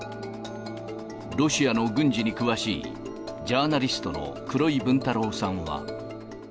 ロシアの軍事に詳しい、ジャーナリストの黒井文太郎さんは。